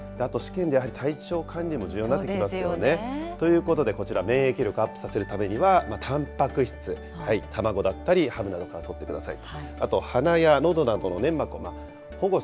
あと試験で体調管理もやはり重要になってきますよね。ということで、こちら、免疫力アップさせるためにはたんぱく質、卵だったり、ハムなどをとってくださいと。